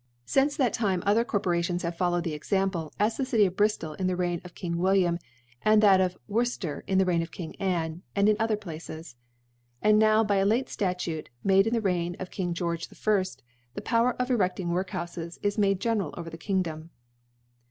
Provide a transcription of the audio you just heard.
Since that Time other Corporations have followed the Example, as the City of Brif tot in the Reign of King WilVamf^ and that of Worctfier in the Reign of Queen Anm\^ and in other Places. , And now by a late Sutute, made in the Reign of King § George I. the Power of. ereding Workhoufcs is made general over the Kingdom.